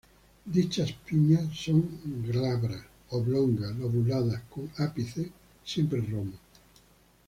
Dichas pinnas son glabras, oblongas, lobuladas, con ápices siempre romos.